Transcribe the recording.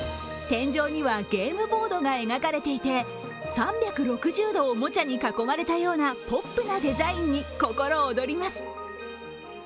天井にはゲームボードが描かれていて、３６０度おもちゃに囲まれたようなポップなデザインに心躍ります。